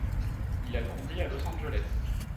Il a grandi à Los Angeles.